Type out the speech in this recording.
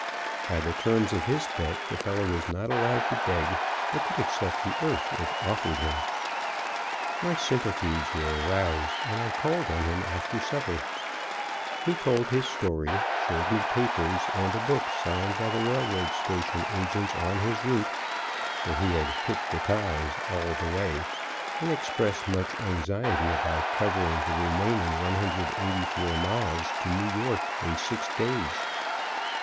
By the terms of his bet, the fellow was not allowed to beg, but could accept the earth, if offered him. My sympathies were aroused, and I called on him after supper. He told his story, showed me papers, and a book signed by the railroad station agents on his route for he had "hit the ties" all the way and expressed much anxiety about covering the remaining 184 miles to New York in six days.